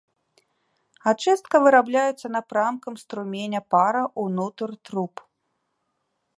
Ачыстка вырабляецца напрамкам струменя пара ўнутр труб.